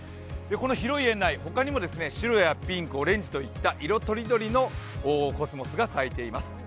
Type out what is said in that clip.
広い園内、ほかにも白やピンク、オレンジといった色とりどりのコスモスが咲いています。